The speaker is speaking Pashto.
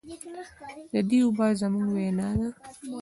د دې اوبه زموږ وینه ده؟